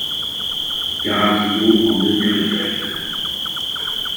Karaquillo en devient le directeur.